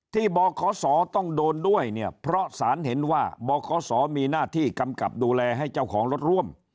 บขศต้องโดนด้วยเนี่ยเพราะสารเห็นว่าบขศมีหน้าที่กำกับดูแลให้เจ้าของรถร่วม